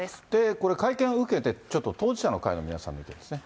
これ、会見を受けて、ちょっと当事者の会の皆さんの意見ですね。